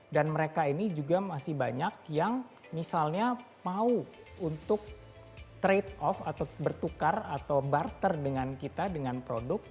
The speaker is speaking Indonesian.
dan mereka ini juga masih banyak yang misalnya mau untuk trade off atau bertukar atau barter dengan kita dengan produk